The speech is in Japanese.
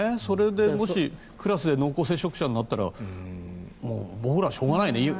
それでもしクラスで濃厚接触者になったら僕らはしょうがないね。